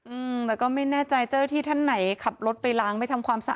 อืมแต่ก็ไม่แน่ใจเจ้าที่ท่านไหนขับรถไปล้างไม่ทำความสะอา